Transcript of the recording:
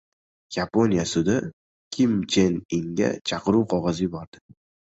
Yaponiya sudi Kim Chen Inga chaqiruv qog‘ozi yubordi